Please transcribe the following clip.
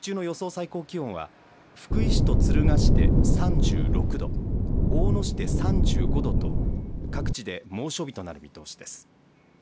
最高気温は福井市と敦賀市で３６度大野市で３５度と各地で猛暑日となる見通しです。